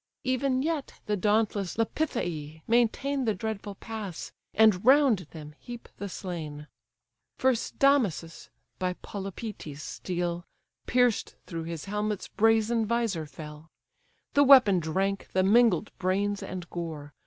Even yet the dauntless Lapithae maintain The dreadful pass, and round them heap the slain. First Damasus, by Polypœtes' steel, Pierced through his helmet's brazen visor, fell; The weapon drank the mingled brains and gore!